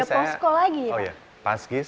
ada posko lagi ya pak